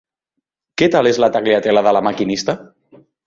Què tal és La Tagliatella de la Maquinista?